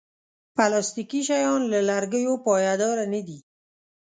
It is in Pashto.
پلاستيکي شیان له لرګیو پایداره نه دي.